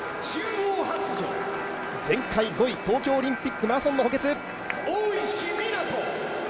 前回５位、東京オリンピックマラソンの補欠。